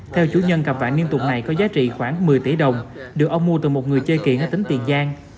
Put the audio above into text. theo chủ nhân cặp vạn niên tùng này có giá trị khoảng một mươi tỷ đồng được ông mua từ một người chơi kiển ở tỉnh tiền giang